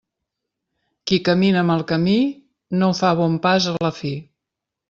Qui camina mal camí, no fa bon pas a la fi.